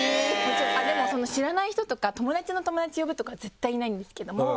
でも知らない人とか友達の友達呼ぶとかは絶対にないんですけども。